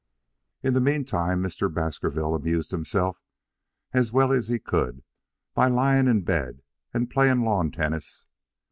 In the mean time Mr. Baskerville amused himself as well as he could by lying in bed and playing lawn tennis.